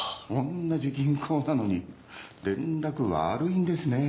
同じ銀行なのに連絡悪いんですね！？